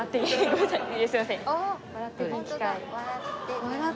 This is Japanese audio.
あっ。